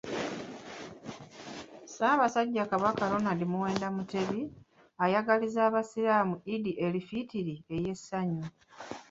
Ssaabasajja Kabaka Ronald Muwenda Mutebi, ayagalizza Abasiraamu Eid el Fitri ey'essanyu